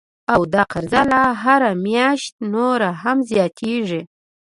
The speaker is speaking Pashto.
او دا قرضه لا هره میاشت نوره هم زیاتیږي